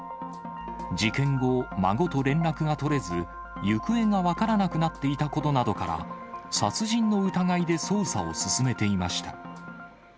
事件後、孫と連絡が取れず、行方が分からなくなっていたことなどから、殺人の疑いで捜査を進めていました。